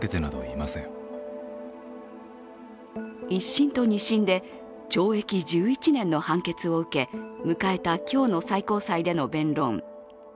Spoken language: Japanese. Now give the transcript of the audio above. １審と２審で懲役１１年の判決を受け迎えた今日の最高裁での弁論。